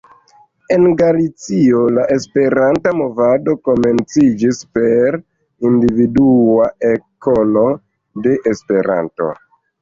En Galicio la Esperanta movado komenciĝis per individua ekkono de Esperanto.